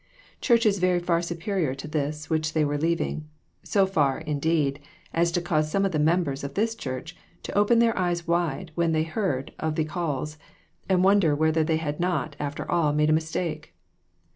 Churches very far superior to this which they were leaving ; so far, indeed, as to cause some of the members of this church to open their eyes wide when they heard of the calls, and wonder whether they had not, after all, made a mistake.